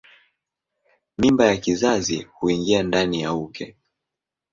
Mimba ya kizazi huingia ndani ya uke.